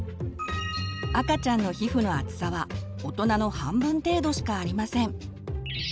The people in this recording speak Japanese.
赤ちゃんの皮膚の厚さはおとなの半分程度しかありません。